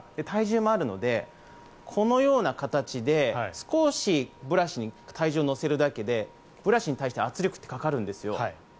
体重もあるのでこのような形で少しブラシに体重を乗せるだけでブラシに対して圧力ってかかるんです。